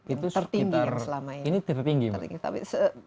itu sekitar ini tertinggi mbak